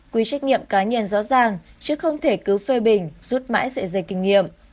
quy trách nhiệm cá nhân rõ ràng chứ không thể cứ phê bình rút mãi dễ dày kinh nghiệm